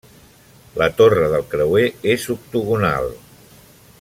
La torre del creuer és octogonal.